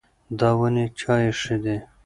دا ونې چا ایښې دي؟